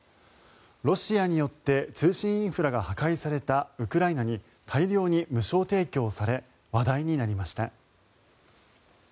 ロシアによって通信インフラが破壊されたウクライナに大量に無償提供され話題になりました。